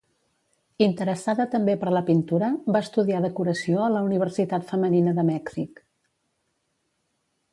Interessada també per la pintura, va estudiar decoració a la Universitat Femenina de Mèxic.